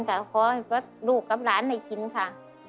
แต่ขอให้วัดลูกกับหลานให้กินค่ะ